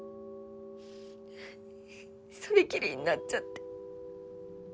それきりになっちゃって。